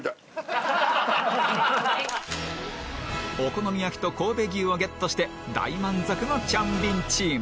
お好み焼きと神戸牛をゲットして大満足のチャンビンチーム